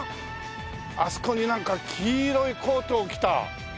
あそこになんか黄色いコートを着た。